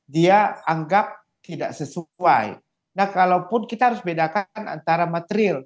dia anggap tidak sesuai nah kalaupun kita harus bedakan antara material